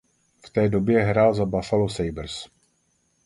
V té době hrál za Buffalo Sabres.